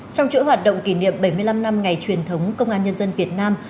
trong chuỗi hoạt động kỷ niệm bảy mươi năm năm ngày truyền thống công an nhân dân việt nam